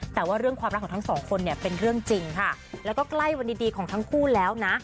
แต่ว่าเรื่องความรักของทั้งสองคนเนี่ยเป็นเรื่องจริงค่ะแล้วก็ใกล้วันดีดีของทั้งคู่แล้วนะ